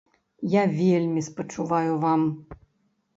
Я вельмі спачуваю вам.